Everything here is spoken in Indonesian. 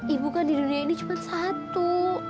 ibu kan di dunia ini cuma satu